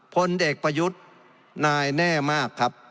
พลเอกประยุทธ์นายแน่มากครับ